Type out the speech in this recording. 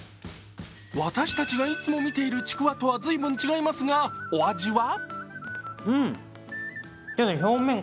私たちがいつも見ているちくわとは随分違いますが、お味は？